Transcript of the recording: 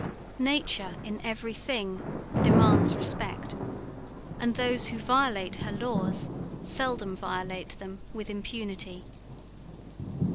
Nature in every thing demands respect, and those who violate her laws seldom violate them with impunity.